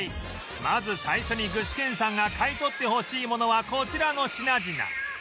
まず最初に具志堅さんが買い取ってほしいものはこちらの品々